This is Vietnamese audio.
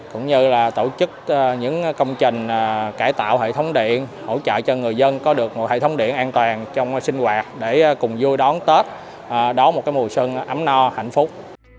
cũng như là tổ chức những công trình cải tạo hệ thống điện hỗ trợ cho người dân có được một hệ thống điện an toàn trong sinh hoạt để cùng vui đón tết đón một mùa xuân ấm no hạnh phúc